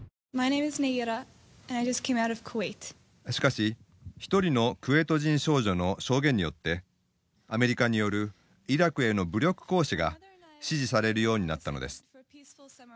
しかし一人のクウェート人少女の証言によってアメリカによるイラクへの武力行使が支持されるようになったのです。